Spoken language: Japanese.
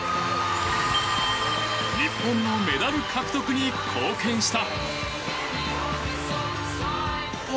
日本のメダル獲得に貢献した。